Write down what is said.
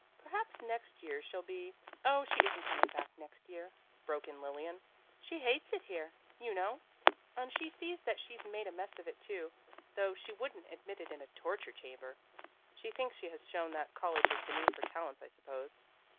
Perhaps next year she'll be " "Oh, she isn't coming back next year," broke in Lilian. "She hates it here, you know, and she sees that she's made a mess of it, too, though she wouldn't admit it in a torture chamber. She thinks she has shown that college is beneath her talents, I suppose."